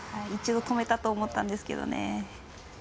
止めたと思ったんですけどね。